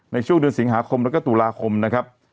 ในช่วงเดือนสิงหาคมแล้วก็ตุลาคมนะครับ